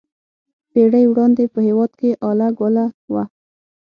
پېړۍ وړاندې په هېواد کې اله ګوله وه.